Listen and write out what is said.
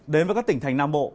đến với các tỉnh thành nam bộ